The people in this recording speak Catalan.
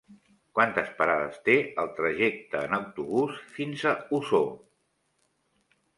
Quantes parades té el trajecte en autobús fins a Osor?